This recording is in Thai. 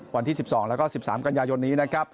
วันที่๑๒และ๑๓กันยายนนี้